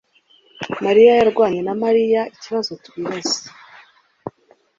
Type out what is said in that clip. mariya yarwanye na Mariya ikibazo twibaza